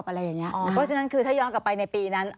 เพราะฉะนั้นคือถ้าย้อนกลับไปในปีนั้น